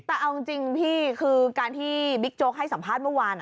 แต่เอาจริงพี่คือการที่บิ๊กโจ๊กให้สัมภาษณ์เมื่อวาน